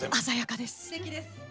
鮮やかです。